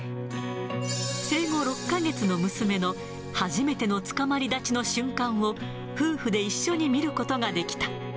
生後６か月の娘の初めてのつかまり立ちの瞬間を夫婦で一緒に見ることができた。